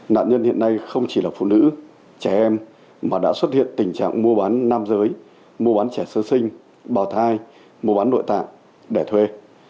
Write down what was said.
nạn nhân hiện nay không chỉ là phụ nữ trẻ em mà đã xuất hiện tình trạng mùa bán nam giới mùa bán trẻ sơ sinh bào thai mùa bán nội tạng đẻ thuê